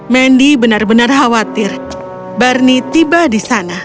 mendy benar benar khawatir barni tiba di sana